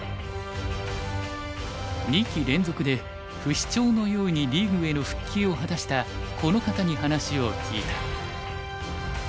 二期連続で不死鳥のようにリーグへの復帰を果たしたこの方に話を聞いた。